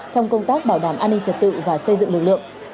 trong công tác bảo đảm an ninh trật tự và xây dựng lực lượng